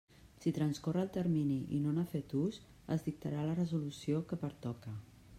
Si transcorre el termini i no n'ha fet ús, es dictarà la resolució que pertoque.